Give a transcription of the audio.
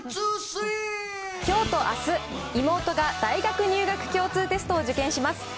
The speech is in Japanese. きょうとあす、妹が大学入学共通テストを受験します。